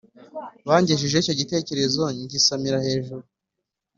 bangejejeho icyo gitekerezo ngisamira hejuru